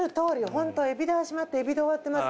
ホントエビで始まってエビで終わってます。